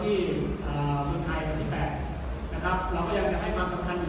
เรากำหน้าเรายังไม่จบนะครับ